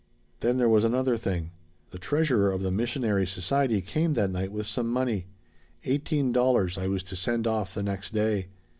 "Then there was another thing. The treasurer of the missionary society came that night with some money eighteen dollars I was to send off the next day.